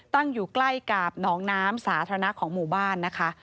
ตั้งอยู่ใกล้กับหนองน้ำสาธารณะของหมู่บ้านนะคะ